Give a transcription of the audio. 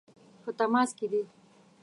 په تماس کې دي.